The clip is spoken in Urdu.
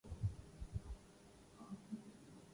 نورہ کا استعمال انبیائے الہی کی سنت